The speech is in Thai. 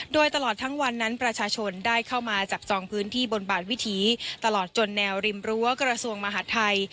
โดยตลอดทั้งวันนั้นประชาชนได้เข้ามาจับจองพื้นที่บนบาดวิถีตลอดจนแนวริมรั้วกระทรวงมหาดไทย